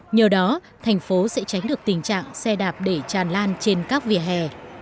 nhờ đó thành phố sẽ tránh được tình trạng xe đạp để tràn lan trên các vỉa hè